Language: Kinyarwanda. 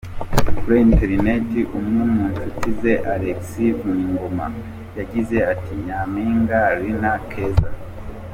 Kuri interineti, umwe mu nshuti ze, Alex Vuningoma, yagize ati: “Nyampinga Linah Keza.